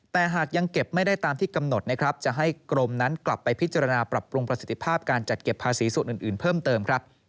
แต่หากยังเก็บไม่ได้ตามที่กำหนดนะครับจะให้กรมนั้นกลับไปพิจารณาปรับปรุงประสิทธิภาพการจัดเก็บภาษีส่วนอื่นเพิ่มเติมครับ